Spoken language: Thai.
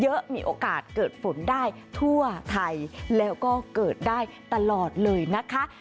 เยอะมีโอกาสเกิดฝนได้ทั่วไทยแล้วก็เกิดได้ตลอดเลยนะคะ